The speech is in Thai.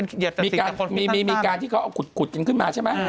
โอเคนะมีด้วยนะอ่ะไปมีการที่เขาเอาขุดกันขึ้นมาใช่ไหม